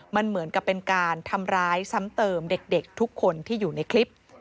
มันเหมือนกับเป็นการทำร้ายซ้ำเติมเด็กทุกคนที่อยู่ในคลิป